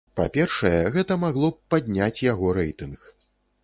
Па-першае, гэта магло б падняць яго рэйтынг.